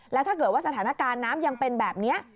แล้วถ้าเกิดว่าสถานการณ์น้ำยังเป็นแบบนี้